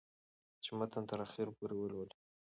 چې متن تر اخره پورې ولولي